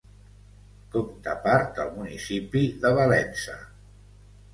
Compta part del municipi de Valença.